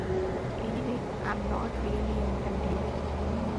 Anyway, I'm not really a metal dude.